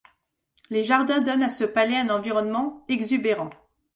Les jardins donnent à ce palais un environnement exubérant.